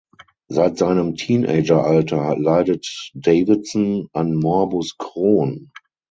Seit seinem Teenageralter leidet Davidson an Morbus Crohn.